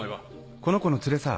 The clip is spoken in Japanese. この子の連れさ。